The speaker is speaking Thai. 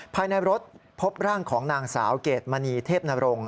ภายในรถพบร่างของนางสาวเกรดมณีเทพนรงค